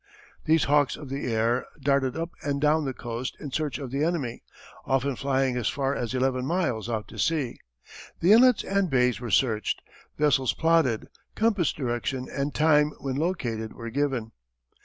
These hawks of the air darted up and down the coast in search of the enemy, often flying as far as eleven miles out to sea. The inlets and bays were searched, vessels plotted, compass direction and time when located were given.